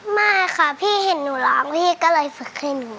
ไม่ค่ะพี่เห็นหนูร้องพี่ก็เลยฝึกให้หนู